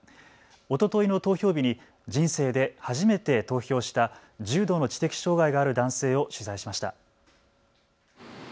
おとといの投票日に人生で初めて投票した重度の知的障害がある男性を取材しました。